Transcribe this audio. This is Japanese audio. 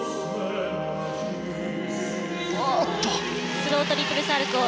スロートリプルサルコウ。